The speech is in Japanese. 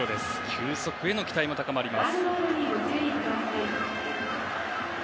球速への期待も高まります。